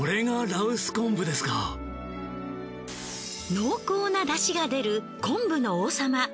濃厚な出汁が出る昆布の王様